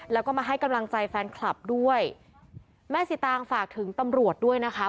แล้วก็มาให้กำลังใจแฟนคลับด้วยแม่สิตางฝากถึงตำรวจด้วยนะคะ